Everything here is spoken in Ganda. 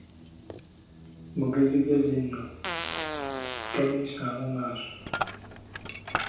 Mugezigezi nno tomuyisaamu maaso!